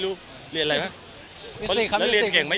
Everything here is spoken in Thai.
เรียนอะไร